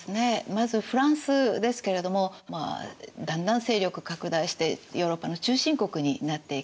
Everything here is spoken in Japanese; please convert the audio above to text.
まずフランスですけれどもだんだん勢力拡大してヨーロッパの中心国になっていきます。